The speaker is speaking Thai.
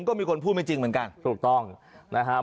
ก็มีคนพูดไม่จริงเหมือนกันถูกต้องนะครับ